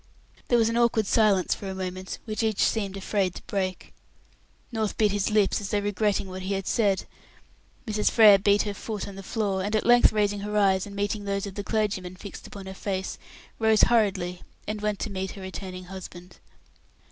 There was an awkward silence for a moment, which each seemed afraid to break. North bit his lips, as though regretting what he had said. Mrs. Frere beat her foot on the floor, and at length, raising her eyes, and meeting those of the clergyman fixed upon her face, rose hurriedly, and went to meet her returning husband.